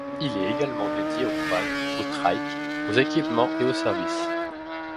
Il est également dédié au quad, au trike, aux équipements et aux services.